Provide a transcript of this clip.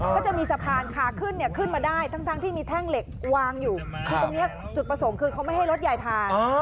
ก็จะมีสะพานขาขึ้นเนี่ยขึ้นมาได้ทั้งที่มีแท่งเหล็กวางอยู่คือตรงนี้จุดประสงค์คือเขาไม่ให้รถใหญ่ผ่าน